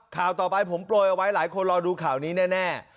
ข่าวต่อไปผมโปรยเอาไว้หลายคนรอดูข่าวนี้แน่